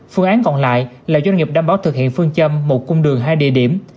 phương án còn lại là doanh nghiệp đảm bảo thực hiện phương châm một cung đường hai địa điểm